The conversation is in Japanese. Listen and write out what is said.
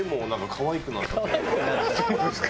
そうですか？